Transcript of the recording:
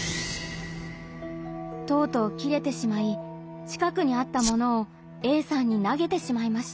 とうとうキレてしまい近くにあった物をＡさんになげてしまいました。